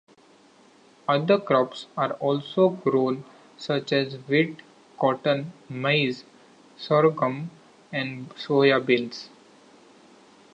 Other crops are also grown, such as wheat, cotton, maize, sorghum and soya beans.